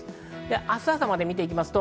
明日朝を見ていきます。